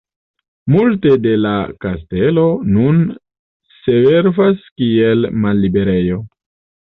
Multe de la kastelo nun servas kiel malliberejo.